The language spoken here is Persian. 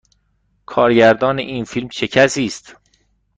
کارگردان این فیلم چه کسی است؟